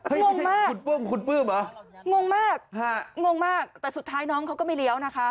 เอองงมากงงมากงงมากแต่สุดท้ายน้องเขาก็ไม่เลี้ยวนะคะ